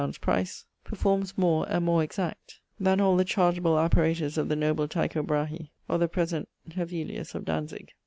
_ price) performes more, and more exact, then all the chargeable apparatus of the noble Tycho Brache or the present Hevelius of Dantzick.